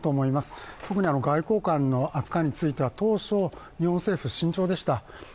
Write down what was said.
特に外交官の扱いについては当初、日本政府は慎重でした。